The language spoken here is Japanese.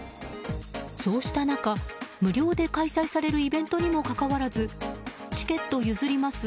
そうした中、無料で開催されるイベントにもかかわらずチケット譲ります。